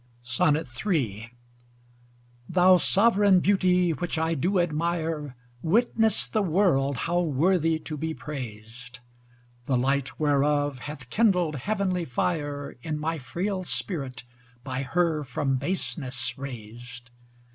III Thou sovereign beauty which I do admire, Witness the world how worthy to be praised: The light whereof hath kindled heavenly fire, In my frail spirit by her from baseness raised.